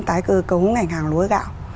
tái cơ cấu ngành hàng lúa gạo